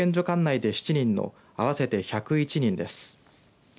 管内で７人の合わせて１０１人です。